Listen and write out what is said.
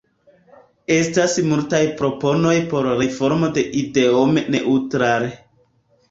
Estas multaj proponoj por reformo de Idiom-Neutral.